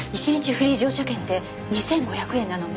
フリー乗車券って２５００円なのね。